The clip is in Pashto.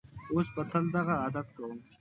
اوس به تل دغه عادت کوم.